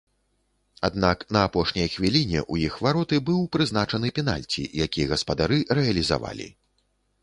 Аднак на апошняй хвіліне ў іх вароты быў прызначаны пенальці, які гаспадары рэалізавалі.